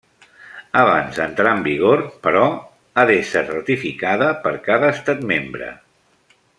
Abans d'entrar en vigor, però, ha d'ésser ratificada per cada estat membre.